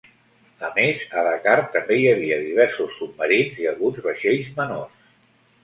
A més, a Dakar també hi havia diversos submarins i alguns vaixells menors.